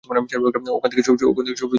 ওখান থেকে সবুজ দড়িটা টেনে ধরো।